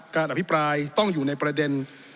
อภิปรายต้องอยู่ในประเด็น